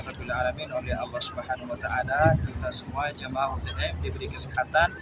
alhamdulillahirrahmanirrahim oleh allah swt kita semua jemaah umroh utm diberi kesekatan